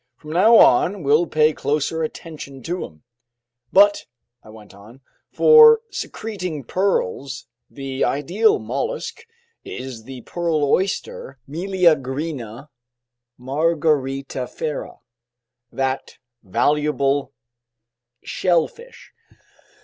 "From now on we'll pay closer attention to 'em." "But," I went on, "for secreting pearls, the ideal mollusk is the pearl oyster Meleagrina margaritifera, that valuable shellfish.